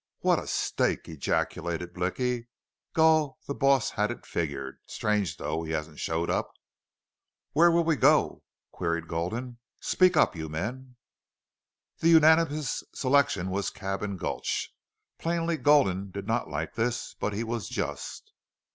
"What a stake!" ejaculated Blicky. "Gul, the boss had it figgered. Strange, though, he hasn't showed up!" "Where'll we go?" queried Gulden. "Speak up, you men." The unanimous selection was Cabin Gulch. Plainly Gulden did not like this, but he was just.